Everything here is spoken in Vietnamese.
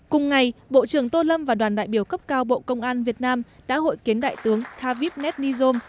cùng ngày bộ trưởng tô lâm và đoàn đại biểu cấp cao bộ công an việt nam đã hội kiến đại tướng thavip mesneyzom